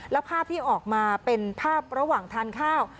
แล้วภาพที่ออกมาเป็นภาพระหว่างทานข้าว